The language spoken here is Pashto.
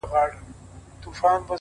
پوهه له کنجکاو ذهن سره مینه لري،